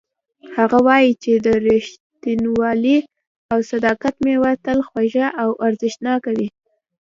هغه وایي چې د ریښتینولۍ او صداقت میوه تل خوږه او ارزښتناکه وي